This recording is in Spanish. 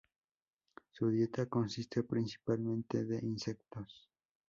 Su dieta consiste principalmente de insectos.